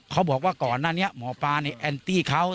เขาบอกว่าก่อนหน้านี้หมอปลาในแอนตี้เขา